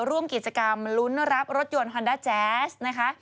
ร่วมกิจกรรมลุ้นรับรถยนต์ฮอนด้าแจ๊สนะคะ